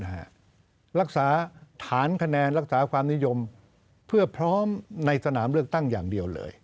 รักษาฐานคะแนนรักษาความนิยมเพื่อพร้อมในสนามเลือกตั้งอย่างเดียวเลย